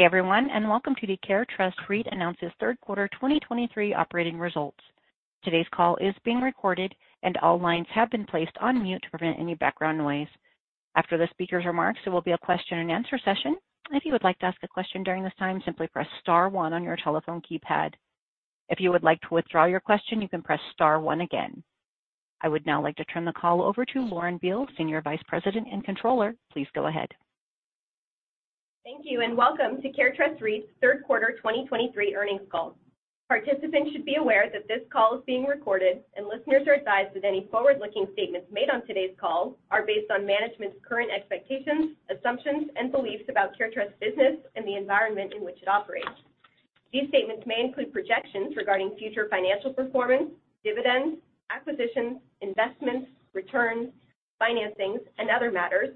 Everyone, and welcome to the CareTrust REIT announces third quarter 2023 operating results. Today's call is being recorded, and all lines have been placed on mute to prevent any background noise. After the speaker's remarks, there will be a question-and-answer session. If you would like to ask a question during this time, simply press star one on your telephone keypad. If you would like to withdraw your question, you can press star one again. I would now like to turn the call over to Lauren Beale, Senior Vice President and Controller. Please go ahead. Thank you, and welcome to CareTrust REIT's third quarter 2023 earnings call. Participants should be aware that this call is being recorded, and listeners are advised that any forward-looking statements made on today's call are based on management's current expectations, assumptions, and beliefs about CareTrust's business and the environment in which it operates. These statements may include projections regarding future financial performance, dividends, acquisitions, investments, returns, financings, and other matters,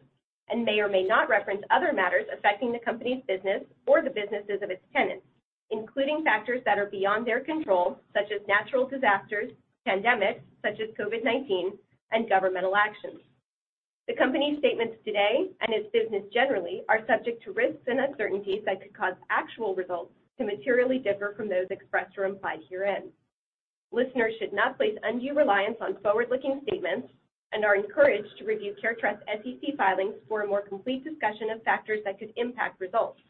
and may or may not reference other matters affecting the company's business or the businesses of its tenants, including factors that are beyond their control, such as natural disasters, pandemics, such as COVID-19, and governmental actions. The company's statements today and its business generally are subject to risks and uncertainties that could cause actual results to materially differ from those expressed or implied herein. Listeners should not place undue reliance on forward-looking statements and are encouraged to review CareTrust's SEC filings for a more complete discussion of factors that could impact results,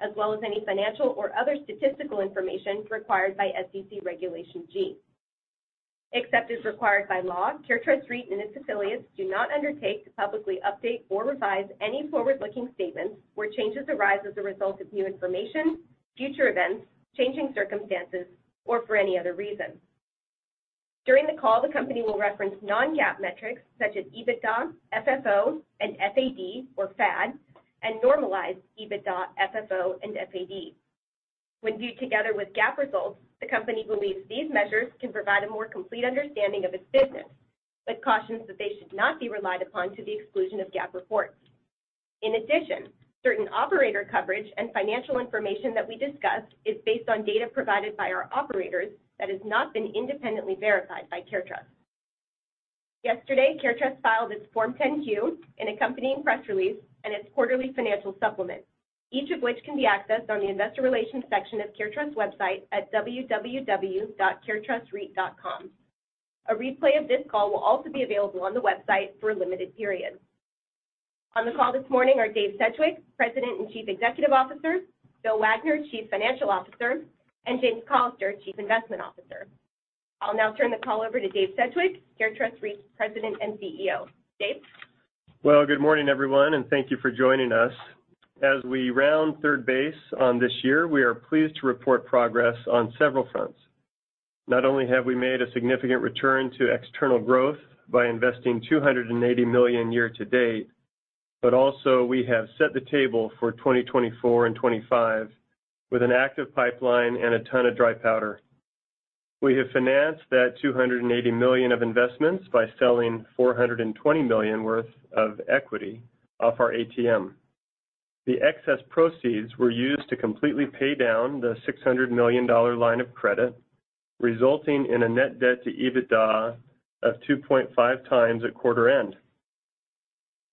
as well as any financial or other statistical information required by SEC Regulation G. Except as required by law, CareTrust REIT and its affiliates do not undertake to publicly update or revise any forward-looking statements where changes arise as a result of new information, future events, changing circumstances, or for any other reason. During the call, the company will reference non-GAAP metrics such as EBITDA, FFO, and FAD, or FAD, and normalized EBITDA, FFO, and FAD. When viewed together with GAAP results, the company believes these measures can provide a more complete understanding of its business, but cautions that they should not be relied upon to the exclusion of GAAP reports. In addition, certain operator coverage and financial information that we discussed is based on data provided by our operators that has not been independently verified by CareTrust. Yesterday, CareTrust filed its Form 10-Q, accompanying press release and its quarterly financial supplement, each of which can be accessed on the Investor Relations section of CareTrust's website at www.caretrustreit.com. A replay of this call will also be available on the website for a limited period. On the call this morning are Dave Sedgwick, President and Chief Executive Officer, Bill Wagner, Chief Financial Officer, and James Callister, Chief Investment Officer. I'll now turn the call over to Dave Sedgwick, CareTrust REIT's President and CEO. Dave? Well, good morning, everyone, and thank you for joining us. As we round third base on this year, we are pleased to report progress on several fronts. Not only have we made a significant return to external growth by investing $280 million year-to-date, but also we have set the table for 2024 and 2025 with an active pipeline and a ton of dry powder. We have financed that $280 million of investments by selling $420 million worth of equity off our ATM. The excess proceeds were used to completely pay down the $600 million line of credit, resulting in a net debt to EBITDA of 2.5x at quarter end.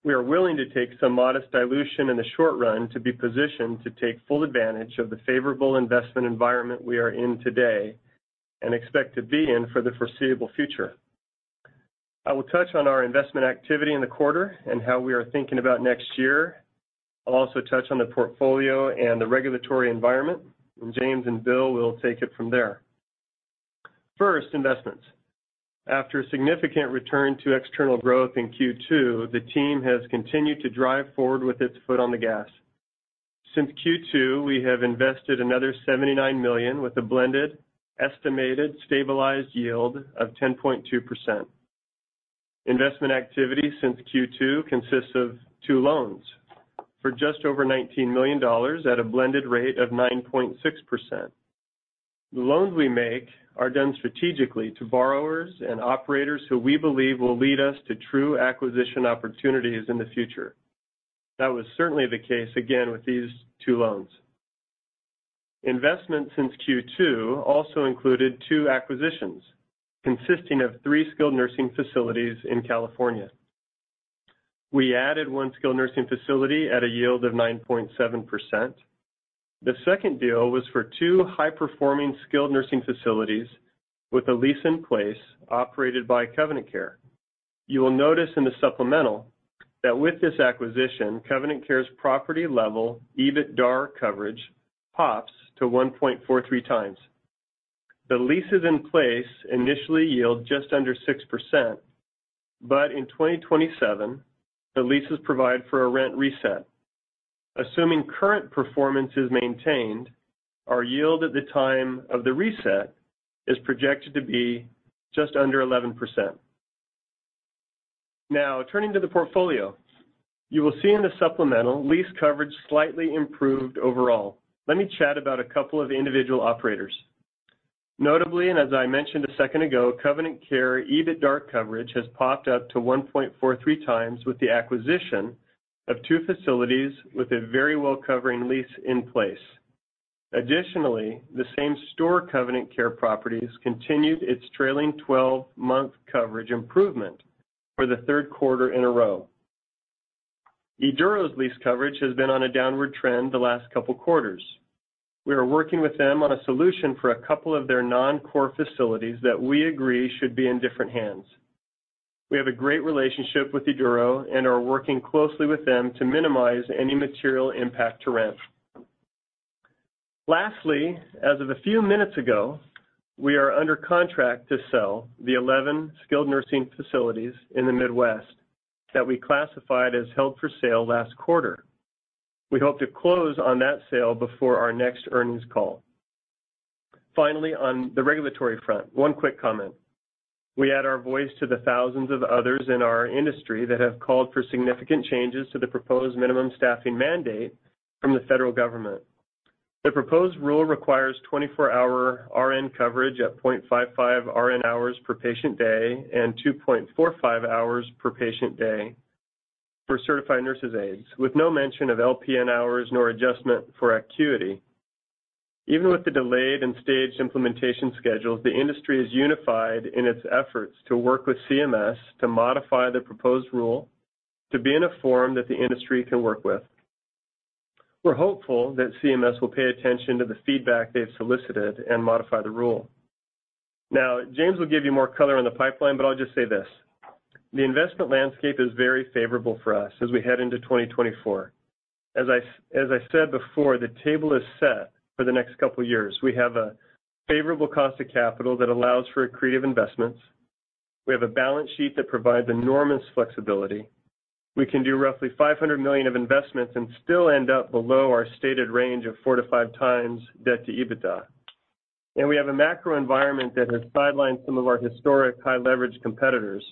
We are willing to take some modest dilution in the short run to be positioned to take full advantage of the favorable investment environment we are in today and expect to be in for the foreseeable future. I will touch on our investment activity in the quarter and how we are thinking about next year. I'll also touch on the portfolio and the regulatory environment, and James and Bill will take it from there. First, investments. After a significant return to external growth in Q2, the team has continued to drive forward with its foot on the gas. Since Q2, we have invested another $79 million with a blended, estimated, stabilized yield of 10.2%. Investment activity since Q2 consists of two loans for just over $19 million at a blended rate of 9.6%. The loans we make are done strategically to borrowers and operators who we believe will lead us to true acquisition opportunities in the future. That was certainly the case again with these two loans. Investments since Q2 also included two acquisitions, consisting of three skilled nursing facilities in California. We added one skilled nursing facility at a yield of 9.7%. The second deal was for two high-performing skilled nursing facilities with a lease in place operated by Covenant Care. You will notice in the supplemental that with this acquisition, Covenant Care's property-level EBITDAR coverage pops to 1.43x. The leases in place initially yield just under 6%, but in 2027, the leases provide for a rent reset. Assuming current performance is maintained, our yield at the time of the reset is projected to be just under 11%. Now, turning to the portfolio. You will see in the supplemental, lease coverage slightly improved overall. Let me chat about a couple of the individual operators. Notably, and as I mentioned a second ago, Covenant Care EBITDAR coverage has popped up to 1.43x with the acquisition of two facilities with a very well-covering lease in place. Additionally, the same store Covenant Care properties continued its trailing 12-month coverage improvement for the third quarter in a row. Eduro's lease coverage has been on a downward trend the last couple quarters. We are working with them on a solution for a couple of their non-core facilities that we agree should be in different hands. We have a great relationship with Eduro and are working closely with them to minimize any material impact to rent. Lastly, as of a few minutes ago, we are under contract to sell the 11 skilled nursing facilities in the Midwest that we classified as held for sale last quarter. We hope to close on that sale before our next earnings call. Finally, on the regulatory front, one quick comment. We add our voice to the thousands of others in our industry that have called for significant changes to the proposed minimum staffing mandate from the federal government. The proposed rule requires 24-hour RN coverage at 0.55 RN hours per patient day and 2.45 hours per patient day for certified nurses aides, with no mention of LPN hours nor adjustment for acuity. Even with the delayed and staged implementation schedules, the industry is unified in its efforts to work with CMS to modify the proposed rule to be in a form that the industry can work with. We're hopeful that CMS will pay attention to the feedback they've solicited and modify the rule. Now, James will give you more color on the pipeline, but I'll just say this, the investment landscape is very favorable for us as we head into 2024. As I, as I said before, the table is set for the next couple of years. We have a favorable cost of capital that allows for accretive investments. We have a balance sheet that provides enormous flexibility. We can do roughly $500 million of investments and still end up below our stated range of 4x-5x debt to EBITDA. And we have a macro environment that has sidelined some of our historic high-leverage competitors,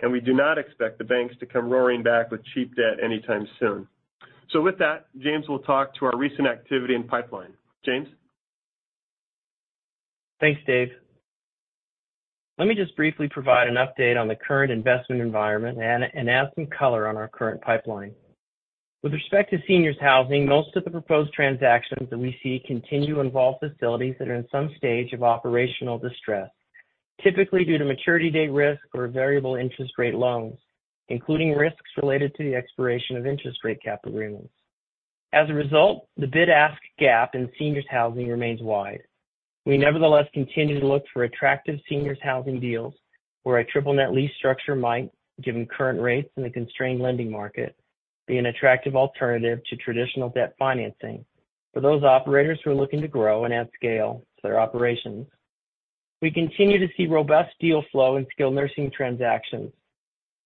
and we do not expect the banks to come roaring back with cheap debt anytime soon. So with that, James will talk to our recent activity and pipeline. James? Thanks, Dave. Let me just briefly provide an update on the current investment environment and add some color on our current pipeline. With respect to seniors housing, most of the proposed transactions that we see continue to involve facilities that are in some stage of operational distress, typically due to maturity date risk or variable interest rate loans, including risks related to the expiration of interest rate cap agreements. As a result, the bid-ask gap in seniors housing remains wide. We nevertheless continue to look for attractive seniors housing deals where a triple net lease structure might, given current rates in the constrained lending market, be an attractive alternative to traditional debt financing for those operators who are looking to grow and add scale to their operations. We continue to see robust deal flow in skilled nursing transactions.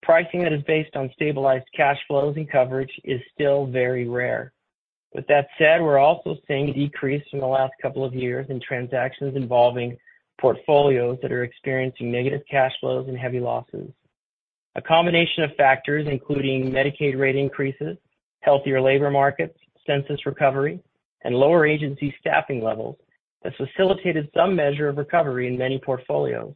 Pricing that is based on stabilized cash flows and coverage is still very rare. With that said, we're also seeing a decrease from the last couple of years in transactions involving portfolios that are experiencing negative cash flows and heavy losses. A combination of factors, including Medicaid rate increases, healthier labor markets, census recovery, and lower agency staffing levels, has facilitated some measure of recovery in many portfolios.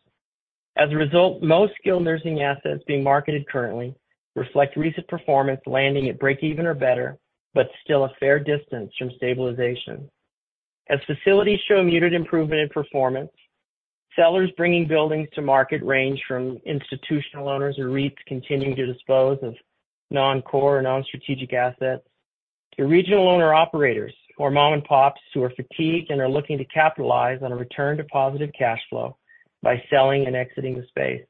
As a result, most skilled nursing assets being marketed currently reflect recent performance, landing at breakeven or better, but still a fair distance from stabilization. As facilities show muted improvement in performance, sellers bringing buildings to market range from institutional owners or REITs continuing to dispose of non-core or non-strategic assets, to regional owner-operators or mom-and-pops who are fatigued and are looking to capitalize on a return to positive cash flow by selling and exiting the space.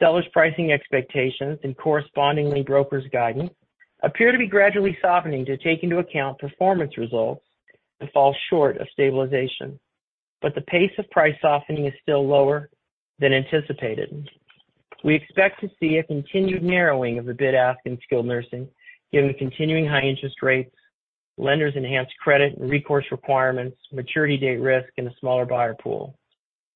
Sellers' pricing expectations and correspondingly brokers' guidance appear to be gradually softening to take into account performance results that fall short of stabilization, but the pace of price softening is still lower than anticipated. We expect to see a continued narrowing of the bid-ask in skilled nursing, given the continuing high interest rates, lenders' enhanced credit and recourse requirements, maturity date risk, and a smaller buyer pool.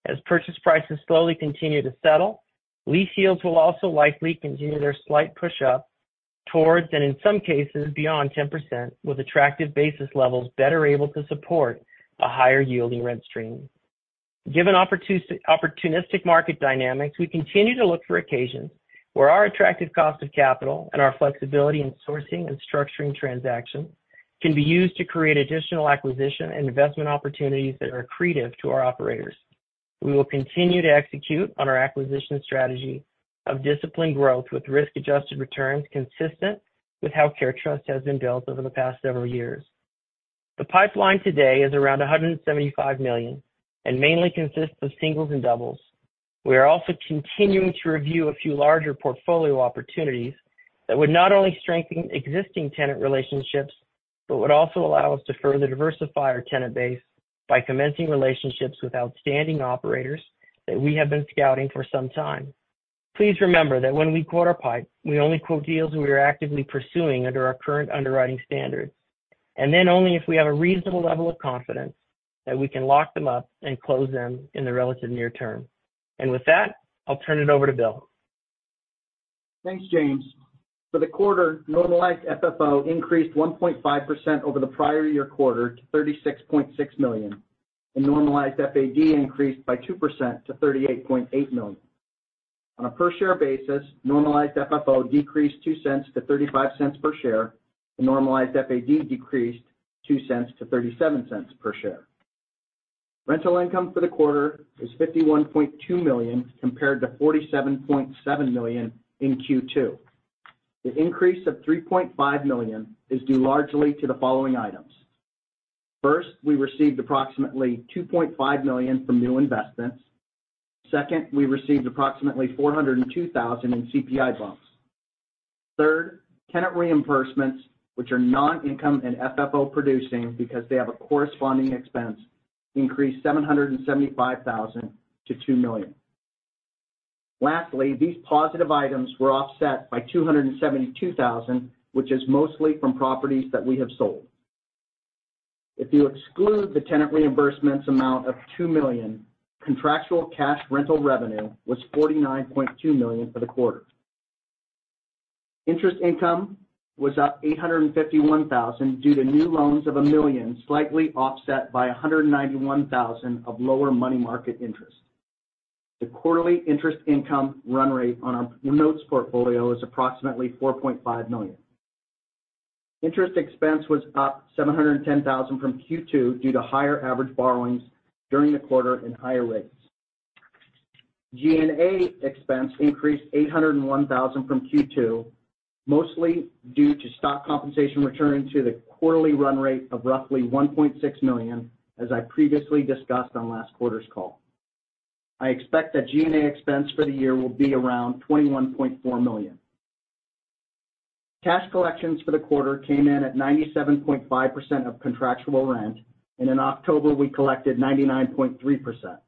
As purchase prices slowly continue to settle, lease yields will also likely continue their slight push up towards, and in some cases, beyond 10%, with attractive basis levels better able to support a higher yielding rent stream. Given opportunistic market dynamics, we continue to look for occasions where our attractive cost of capital and our flexibility in sourcing and structuring transactions can be used to create additional acquisition and investment opportunities that are accretive to our operators. We will continue to execute on our acquisition strategy of disciplined growth with risk-adjusted returns consistent with how CareTrust has been built over the past several years. The pipeline today is around $175 million and mainly consists of singles and doubles. We are also continuing to review a few larger portfolio opportunities that would not only strengthen existing tenant relationships, but would also allow us to further diversify our tenant base by commencing relationships with outstanding operators that we have been scouting for some time. Please remember that when we quote our pipe, we only quote deals we are actively pursuing under our current underwriting standards, and then only if we have a reasonable level of confidence that we can lock them up and close them in the relative near term. With that, I'll turn it over to Bill. Thanks, James. For the quarter, normalized FFO increased 1.5% over the prior year quarter to $36.6 million, and normalized FAD increased by 2% to $38.8 million. On a per share basis, normalized FFO decreased $0.02 to $0.35 per share, and normalized FAD decreased $0.02 to $0.37 per share. Rental income for the quarter is $51.2 million, compared to $47.7 million in Q2. The increase of $3.5 million is due largely to the following items. First, we received approximately $2.5 million from new investments. Second, we received approximately $402,000 in CPI bumps. Third, tenant reimbursements, which are non-income and FFO producing because they have a corresponding expense, increased $775,000 to $2 million. Lastly, these positive items were offset by $272,000, which is mostly from properties that we have sold. If you exclude the tenant reimbursements amount of $2 million, contractual cash rental revenue was $49.2 million for the quarter. Interest income was up $851,000 due to new loans of $1 million, slightly offset by $191,000 of lower money market interest. The quarterly interest income run-rate on our notes portfolio is approximately $4.5 million. Interest expense was up $710,000 from Q2 due to higher average borrowings during the quarter and higher rates. G&A expense increased $801,000 from Q2, mostly due to stock compensation returning to the quarterly run-rate of roughly $1.6 million, as I previously discussed on last quarter's call. I expect that G&A expense for the year will be around $21.4 million. Cash collections for the quarter came in at 97.5% of contractual rent, and in October, we collected 99.3%.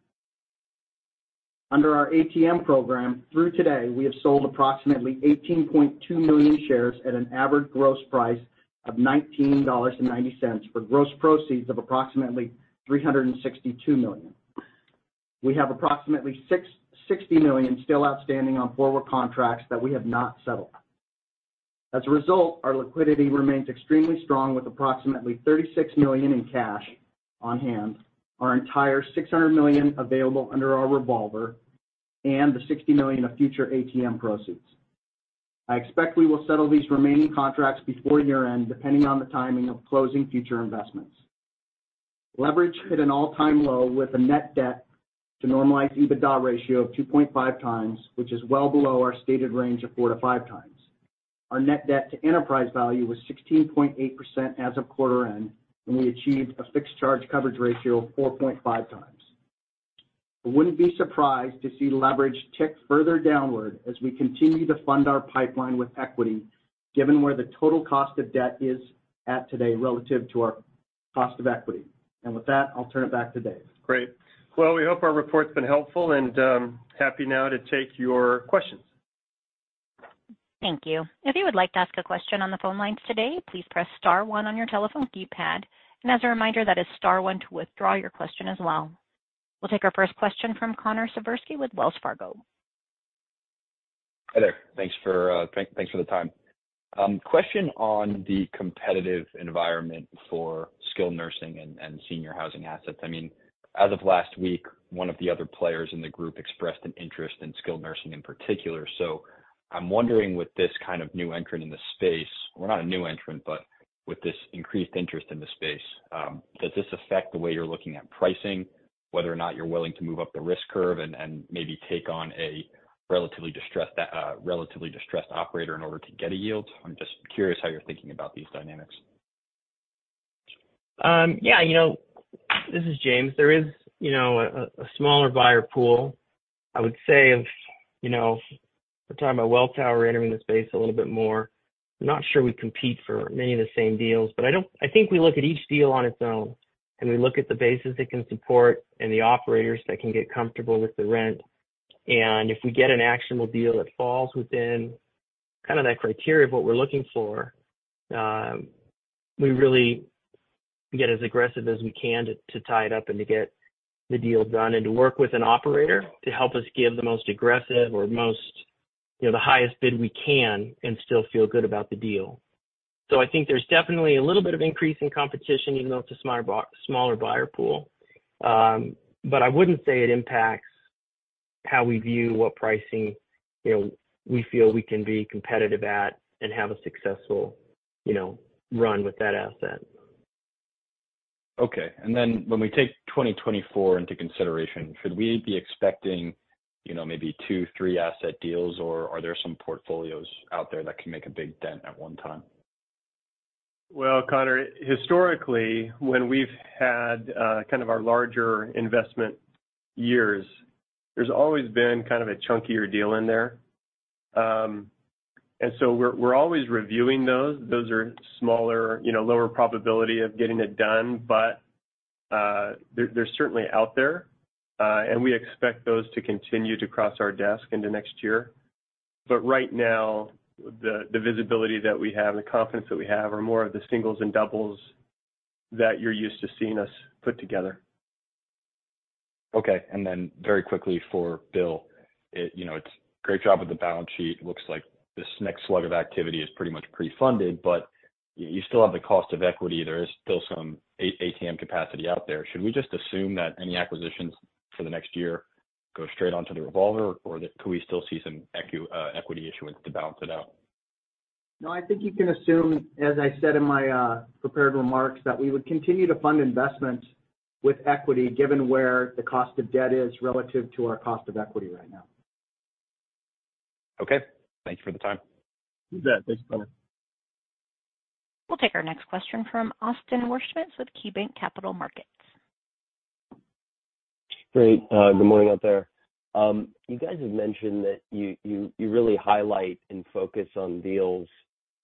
Under our ATM program, through today, we have sold approximately 18.2 million shares at an average gross price of $19.90, for gross proceeds of approximately $362 million. We have approximately $60 million still outstanding on forward contracts that we have not settled. As a result, our liquidity remains extremely strong, with approximately $36 million in cash on hand, our entire $600 million available under our revolver, and the $60 million of future ATM proceeds. I expect we will settle these remaining contracts before year-end, depending on the timing of closing future investments. Leverage hit an all-time low, with a net debt to normalized EBITDA ratio of 2.5x, which is well below our stated range of 4x-5x. Our net debt to enterprise value was 16.8% as of quarter end, and we achieved a fixed charge coverage ratio of 4.5x. I wouldn't be surprised to see leverage tick further downward as we continue to fund our pipeline with equity, given where the total cost of debt is at today relative to our cost of equity. With that, I'll turn it back to Dave. Great. Well, we hope our report's been helpful, and, happy now to take your questions. Thank you. If you would like to ask a question on the phone lines today, please press star one on your telephone keypad. As a reminder, that is star one to withdraw your question as well. We'll take our first question from Connor Siversky with Wells Fargo. Hi there. Thanks for the time. Question on the competitive environment for skilled nursing and senior housing assets. I mean, as of last week, one of the other players in the group expressed an interest in skilled nursing in particular. So I'm wondering, with this kind of new entrant in the space, well, not a new entrant, but with this increased interest in the space, does this affect the way you're looking at pricing, whether or not you're willing to move up the risk curve and maybe take on a relatively distressed operator in order to get a yield? I'm just curious how you're thinking about these dynamics. Yeah, you know, this is James. There is, you know, a smaller buyer pool. I would say if, you know, we're talking about Welltower entering the space a little bit more, I'm not sure we compete for many of the same deals, but I don't. I think we look at each deal on its own, and we look at the basis it can support and the operators that can get comfortable with the rent. And if we get an actionable deal that falls within kind of that criteria of what we're looking for, we really get as aggressive as we can to tie it up and to get the deal done, and to work with an operator to help us give the most aggressive or most, you know, the highest bid we can and still feel good about the deal. So I think there's definitely a little bit of increase in competition, even though it's a smaller buyer pool. But I wouldn't say it impacts how we view what pricing, you know, we feel we can be competitive at and have a successful, you know, run with that asset. Okay. And then when we take 2024 into consideration, should we be expecting, you know, maybe two, three asset deals, or are there some portfolios out there that can make a big dent at one time? Well, Connor, historically, when we've had kind of our larger investment years, there's always been kind of a chunkier deal in there. And so we're always reviewing those. Those are smaller, you know, lower probability of getting it done. But they're certainly out there, and we expect those to continue to cross our desk into next year. But right now, the visibility that we have, the confidence that we have, are more of the singles and doubles that you're used to seeing us put together. Okay. And then very quickly for Bill, it you know, it's great job with the balance sheet. It looks like this next slug of activity is pretty much pre-funded, but you still have the cost of equity. There is still some ATM capacity out there. Should we just assume that any acquisitions for the next year go straight onto the revolver, or that could we still see some equity issuance to balance it out? No, I think you can assume, as I said in my prepared remarks, that we would continue to fund investments with equity, given where the cost of debt is relative to our cost of equity right now. Okay. Thank you for the time. You bet. Thanks, Connor. We'll take our next question from Austin Wurschmidt with KeyBanc Capital Markets. Great. Good morning out there. You guys have mentioned that you really highlight and focus on deals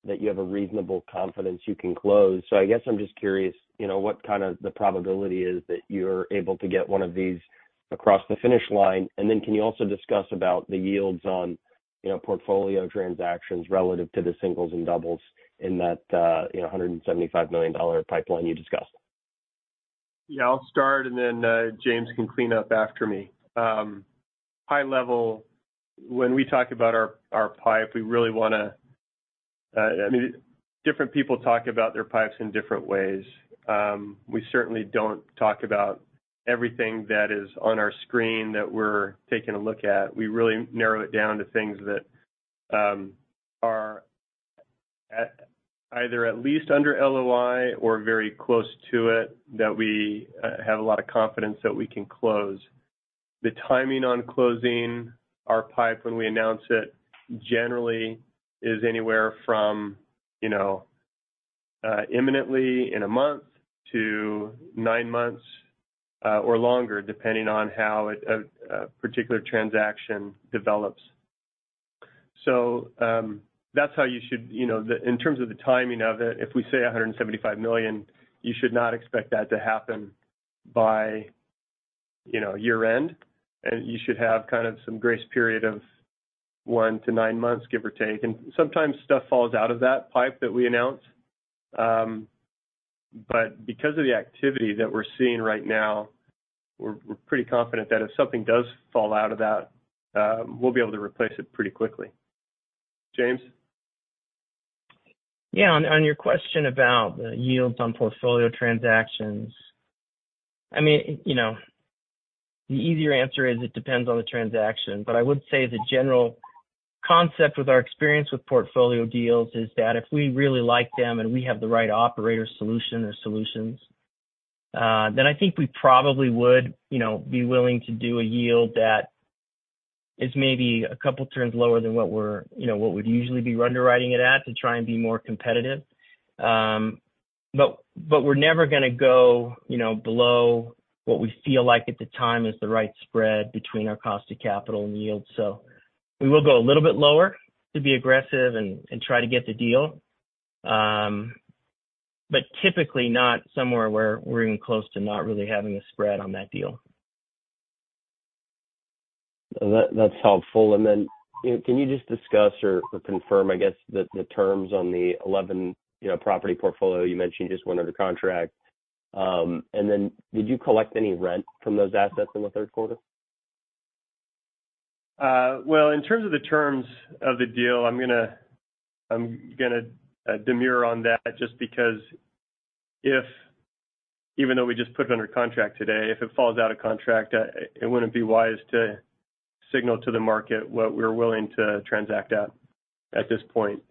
that you have a reasonable confidence you can close. So I guess I'm just curious, you know, what kind of the probability is that you're able to get one of these across the finish line? And then can you also discuss about the yields on, you know, portfolio transactions relative to the singles and doubles in that $175 million pipeline you discussed? Yeah, I'll start, and then James can clean up after me. High level, when we talk about our pipe, we really wanna... I mean, different people talk about their pipes in different ways. We certainly don't talk about everything that is on our screen that we're taking a look at. We really narrow it down to things that are either at least under LOI or very close to it, that we have a lot of confidence that we can close. The timing on closing our pipe when we announce it, generally is anywhere from, you know, imminently in a month to nine months, or longer, depending on how a particular transaction develops. So, that's how you should, you know, in terms of the timing of it, if we say $175 million, you should not expect that to happen by, you know, year-end. And you should have kind of some grace period of one to nine months, give or take. And sometimes stuff falls out of that pipe that we announce. But because of the activity that we're seeing right now, we're pretty confident that if something does fall out of that, we'll be able to replace it pretty quickly. James? Yeah, on your question about the yields on portfolio transactions, I mean, you know, the easier answer is it depends on the transaction. But I would say the general concept with our experience with portfolio deals is that if we really like them and we have the right operator solution or solutions, then I think we probably would, you know, be willing to do a yield that is maybe a couple turns lower than what we're, you know, what we'd usually be underwriting it at to try and be more competitive. But we're never gonna go, you know, below what we feel like at the time is the right spread between our cost of capital and yield. So we will go a little bit lower to be aggressive and try to get the deal, but typically not somewhere where we're even close to not really having a spread on that deal. That, that's helpful. And then, you know, can you just discuss or, or confirm, I guess, the, the terms on the 11, you know, property portfolio you mentioned you just went under contract? And then did you collect any rent from those assets in the third quarter? Well, in terms of the terms of the deal, I'm gonna demur on that just because even though we just put it under contract today, if it falls out of contract, it wouldn't be wise to signal to the market what we're willing to transact at, at this point.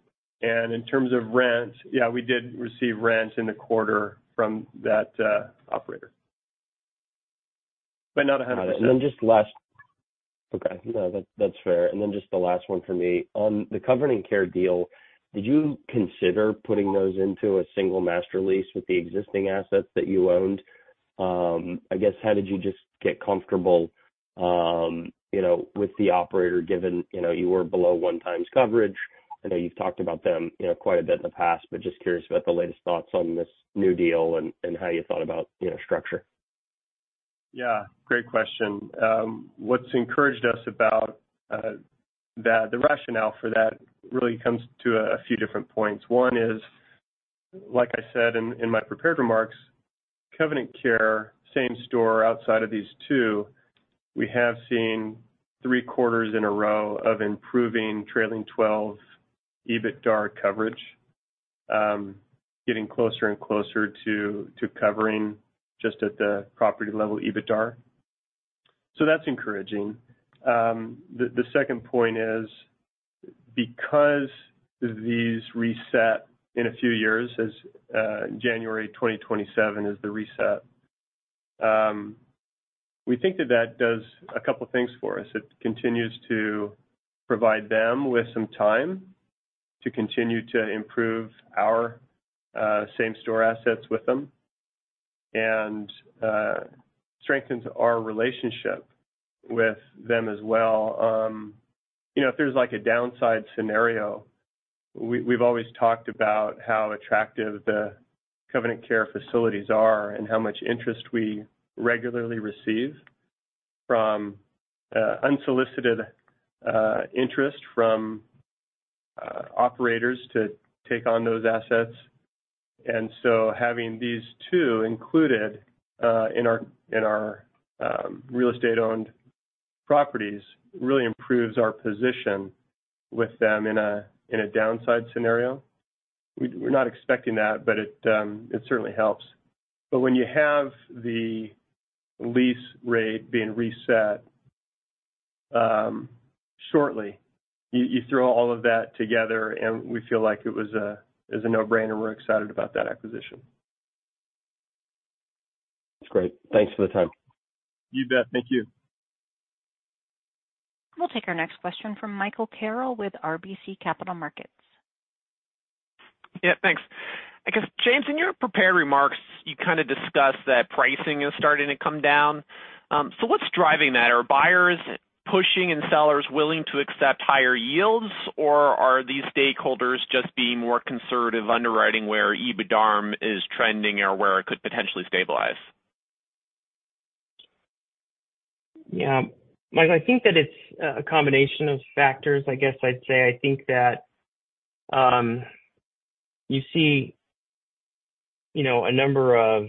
In terms of rent, yeah, we did receive rent in the quarter from that operator, but not 100%. Got it. Okay. No, that's fair. And then just the last one for me. On the Covenant Care deal, did you consider putting those into a single master lease with the existing assets that you owned? I guess, how did you get comfortable, you know, with the operator, given, you know, you were below 1x coverage? I know you've talked about them, you know, quite a bit in the past, but just curious about the latest thoughts on this new deal and how you thought about, you know, structure. Yeah, great question. What's encouraged us about that, the rationale for that really comes to a few different points. One is, like I said in my prepared remarks, Covenant Care, same store outside of these two, we have seen three quarters in a row of improving trailing 12 EBITDAR coverage, getting closer and closer to covering just at the property level EBITDAR. So that's encouraging. The second point is, because these reset in a few years, January 2027 is the reset, we think that that does a couple things for us. It continues to provide them with some time to continue to improve our same store assets with them, and strengthens our relationship with them as well. You know, if there's like a downside scenario, we've always talked about how attractive the Covenant Care facilities are and how much interest we regularly receive from unsolicited interest from operators to take on those assets. And so having these two included in our real estate-owned properties really improves our position with them in a downside scenario. We're not expecting that, but it certainly helps. But when you have the lease rate being reset shortly. You throw all of that together, and we feel like it was a no-brainer, and we're excited about that acquisition. That's great. Thanks for the time. You bet. Thank you. We'll take our next question from Michael Carroll with RBC Capital Markets. Yeah, thanks. I guess, James, in your prepared remarks, you kind of discussed that pricing is starting to come down. So, what's driving that? Are buyers pushing and sellers willing to accept higher yields, or are these stakeholders just being more conservative, underwriting where EBITDAR is trending or where it could potentially stabilize? Yeah. Michael, I think that it's a combination of factors. I guess I'd say I think that, you see, you know, a number of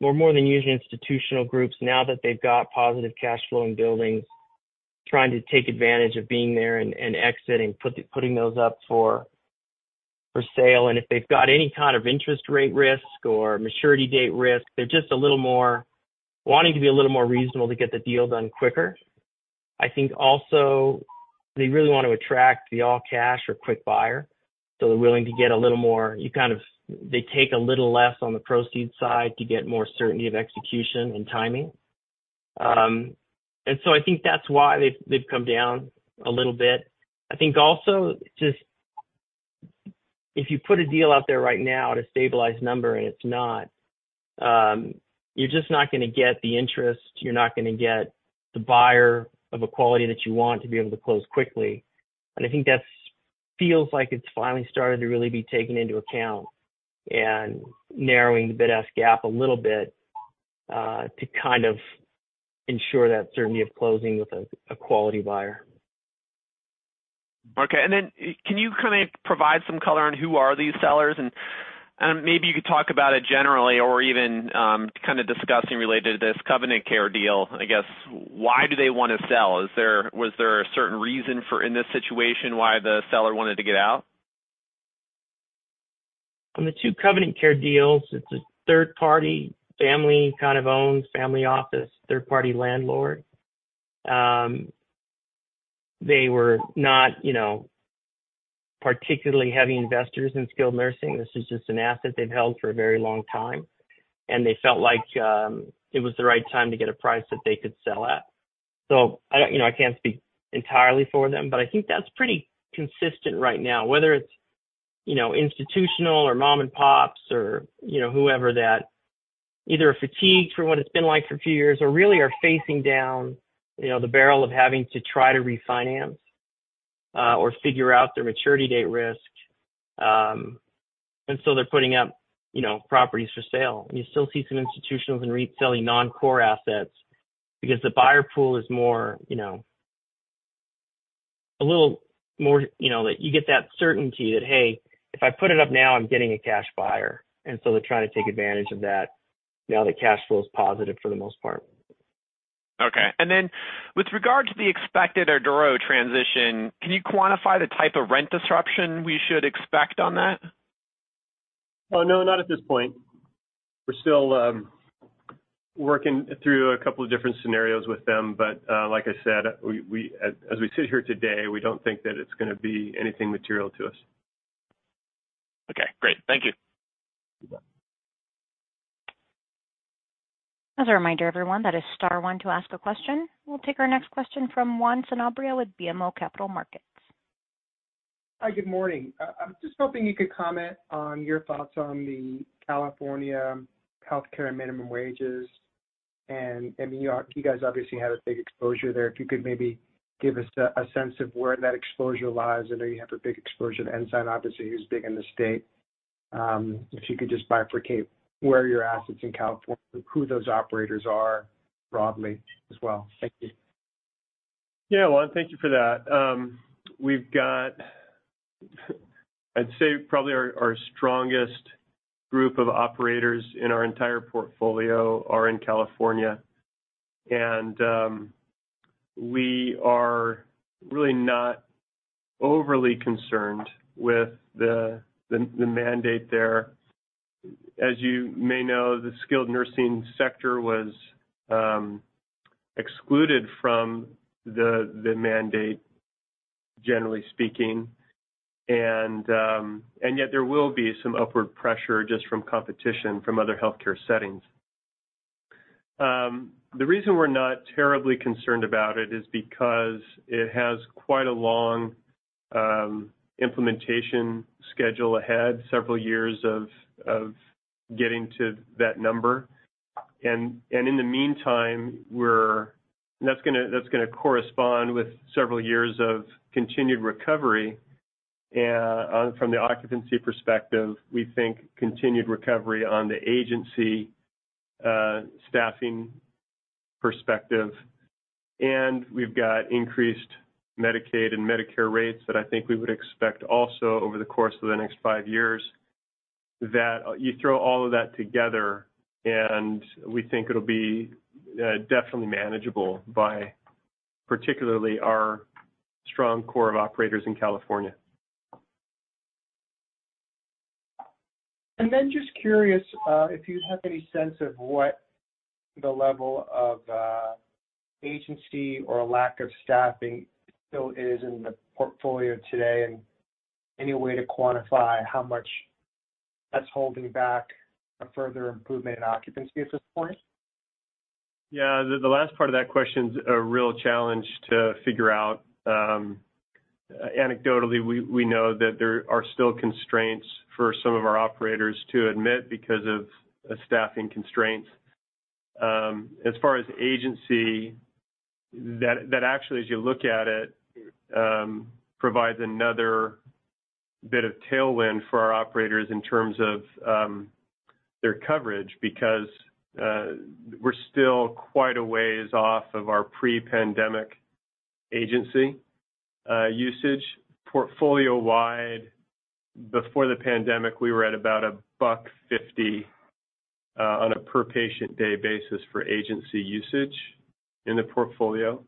more than usual institutional groups now that they've got positive cash flowing buildings, trying to take advantage of being there and exiting, putting those up for sale. And if they've got any kind of interest rate risk or maturity date risk, they're just a little more wanting to be a little more reasonable to get the deal done quicker. I think also they really want to attract the all-cash or quick buyer, so they're willing to get a little more. They take a little less on the proceeds side to get more certainty of execution and timing. And so I think that's why they've come down a little bit. I think also just if you put a deal out there right now at a stabilized number, and it's not, you're just not gonna get the interest, you're not gonna get the buyer of a quality that you want to be able to close quickly. And I think that's feels like it's finally starting to really be taken into account and narrowing the bid-ask gap a little bit, to kind of ensure that certainty of closing with a quality buyer. Okay. And then, can you kind of provide some color on who are these sellers? And maybe you could talk about it generally or even kind of discussing related to this Covenant Care deal, I guess, why do they want to sell? Was there a certain reason for, in this situation, why the seller wanted to get out? On the two Covenant Care deals, it's a third party, family, kind of owned, family office, third-party landlord. They were not, you know, particularly heavy investors in skilled nursing. This is just an asset they've held for a very long time, and they felt like it was the right time to get a price that they could sell at. So I don't... You know, I can't speak entirely for them, but I think that's pretty consistent right now, whether it's, you know, institutional or mom-and-pops or, you know, whoever that either are fatigued from what it's been like for a few years or really are facing down, you know, the barrel of having to try to refinance or figure out their maturity date risk. And so they're putting up, you know, properties for sale. You still see some institutions and REITs selling non-core assets because the buyer pool is more, you know, a little more, you know, that you get that certainty that, "Hey, if I put it up now, I'm getting a cash buyer." And so they're trying to take advantage of that now that cash flow is positive for the most part. Okay. And then with regard to the expected Eduro transition, can you quantify the type of rent disruption we should expect on that? Well, no, not at this point. We're still working through a couple of different scenarios with them. But, like I said, as we sit here today, we don't think that it's gonna be anything material to us. Okay, great. Thank you. You bet. As a reminder, everyone, that is star one to ask a question. We'll take our next question from Juan Sanabria with BMO Capital Markets. Hi, good morning. I was just hoping you could comment on your thoughts on the California healthcare minimum wages. And, I mean, you are you guys obviously have a big exposure there. If you could maybe give us a sense of where that exposure lies. I know you have a big exposure to Ensign, obviously, who's big in the state. If you could just bifurcate where your assets in California, who those operators are broadly as well. Thank you. Yeah, Juan, thank you for that. We've got, I'd say, probably our strongest group of operators in our entire portfolio are in California, and we are really not overly concerned with the mandate there. As you may know, the skilled nursing sector was excluded from the mandate, generally speaking, and yet there will be some upward pressure just from competition from other healthcare settings. The reason we're not terribly concerned about it is because it has quite a long implementation schedule ahead, several years of getting to that number. And in the meantime, we're and that's gonna correspond with several years of continued recovery. From the occupancy perspective, we think continued recovery on the agency staffing perspective, and we've got increased Medicaid and Medicare rates that I think we would expect also over the course of the next five years. You throw all of that together, and we think it'll be definitely manageable by particularly our strong core of operators in California. Just curious, if you have any sense of what the level of agency or lack of staffing still is in the portfolio today, and any way to quantify how much that's holding back a further improvement in occupancy at this point? Yeah, the last part of that question's a real challenge to figure out. Anecdotally, we know that there are still constraints for some of our operators to admit because of a staffing constraint. As far as agency, that actually, as you look at it, provides another bit of tailwind for our operators in terms of their coverage, because we're still quite a ways off of our pre-pandemic agency usage. Portfolio-wide, before the pandemic, we were at about $1.50 on a per patient day basis for agency usage in the portfolio,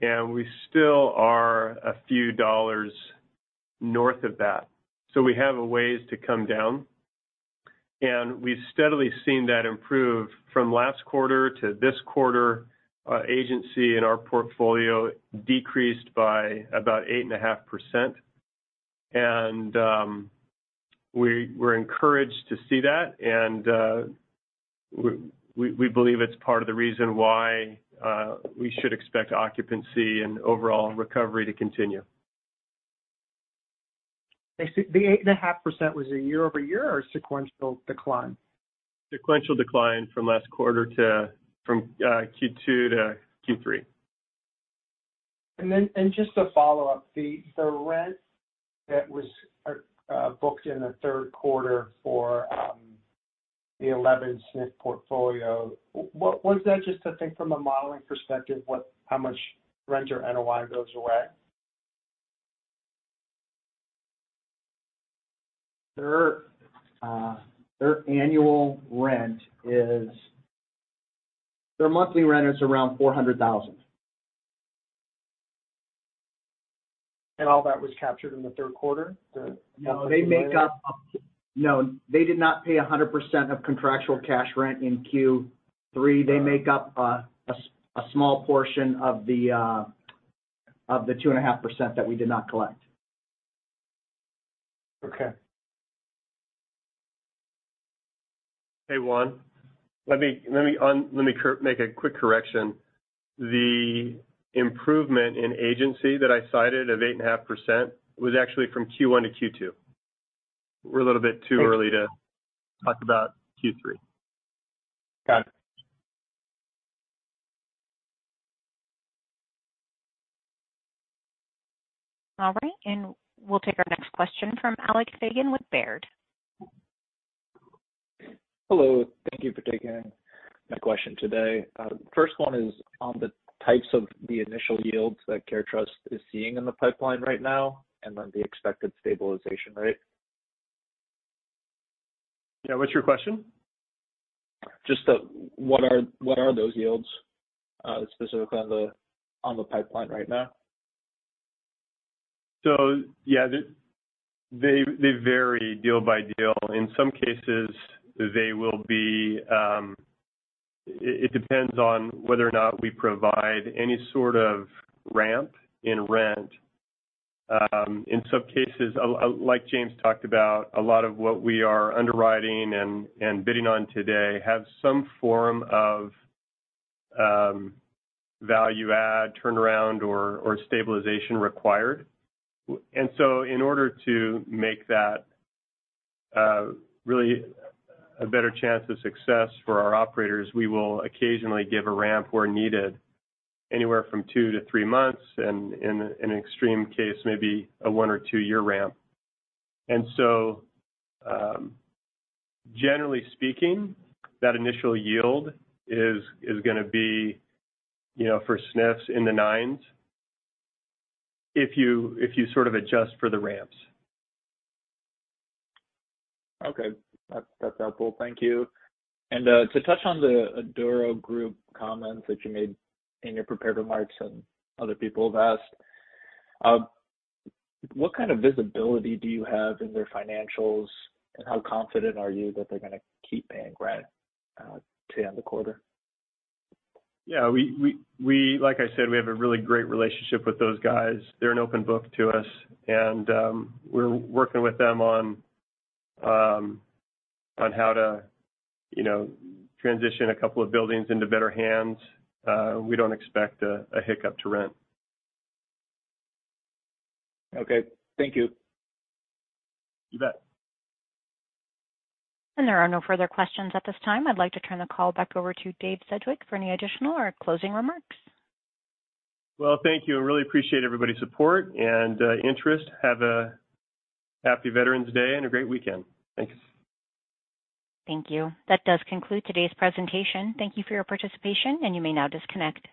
and we still are a few dollars north of that. So we have a ways to come down, and we've steadily seen that improve from last quarter to this quarter, agency in our portfolio decreased by about 8.5%. We're encouraged to see that, and we believe it's part of the reason why we should expect occupancy and overall recovery to continue. I see. The 8.5%, was it year-over-year or sequential decline? Sequential decline from last quarter, from Q2 to Q3. And then, just a follow-up, the rent that was booked in the third quarter for the 11 SNF portfolio, what was that? Just, I think, from a modeling perspective, how much rent or NOI goes away? Their annual rent is. Their monthly rent is around $400,000. All that was captured in the third quarter? No, they did not pay 100% of contractual cash rent in Q3. All right. They make up a small portion of the two and a half percent that we did not collect. Okay. Hey, Juan, let me make a quick correction. The improvement in agency that I cited of 8.5% was actually from Q1 to Q2. We're a little bit too early. Thanks to talk about Q3. Got it. All right, and we'll take our next question from Alec Feygin with Baird. Hello. Thank you for taking my question today. The first one is on the types of the initial yields that CareTrust is seeing in the pipeline right now and then the expected stabilization rate. Yeah, what's your question? Just, what are those yields, specifically on the pipeline right now? So yeah, they vary deal by deal. In some cases, they will be. It depends on whether or not we provide any sort of ramp in rent. In some cases, like James talked about, a lot of what we are underwriting and bidding on today have some form of value add, turnaround, or stabilization required. And so in order to make that really a better chance of success for our operators, we will occasionally give a ramp where needed, anywhere from two to three months, and in an extreme case, maybe a one or two year ramp. And so generally speaking, that initial yield is gonna be, you know, for SNFs in the nines, if you sort of adjust for the ramps. Okay. That's, that's helpful. Thank you. And to touch on the Eduro Healthcare comments that you made in your prepared remarks, and other people have asked, what kind of visibility do you have in their financials, and how confident are you that they're gonna keep paying rent to end the quarter? Yeah, like I said, we have a really great relationship with those guys. They're an open book to us, and we're working with them on how to, you know, transition a couple of buildings into better hands. We don't expect a hiccup to rent. Okay. Thank you. You bet. There are no further questions at this time. I'd like to turn the call back over to Dave Sedgwick for any additional or closing remarks. Well, thank you, and really appreciate everybody's support and interest. Have a happy Veterans Day and a great weekend. Thanks. Thank you. That does conclude today's presentation. Thank you for your participation, and you may now disconnect.